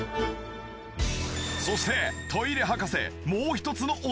そしてトイレ博士